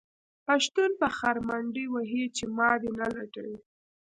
پښتون په خر منډې وهې چې ما دې نه لټوي.